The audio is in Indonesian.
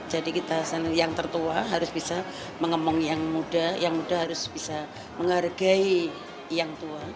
jadi kita saling yang tertua harus bisa mengembang yang muda yang muda harus bisa menghargai yang tua